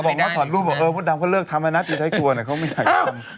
บ๊วยโดนพอดรูปบอกว่าเออมุดดำเขาเลิกทำแล้วนะตีไทยกลัวเขาไม่ได้ทำ